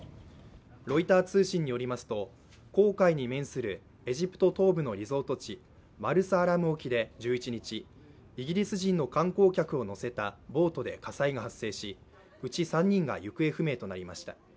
ロイター通信によりますと紅海に面するエジプト東部沖のリゾート地、マルサアラム沖で１１日、イギリス人の観光客を乗せたボートで火災が発生し、うち３人が行方不明となりました。